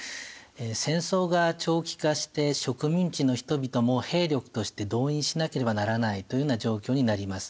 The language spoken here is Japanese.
戦争が長期化して植民地の人々も兵力として動員しなければならないというような状況になります。